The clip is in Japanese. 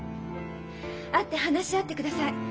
会って話し合ってください。